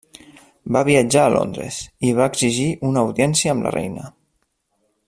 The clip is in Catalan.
Va viatjar a Londres, i va exigir una audiència amb la reina.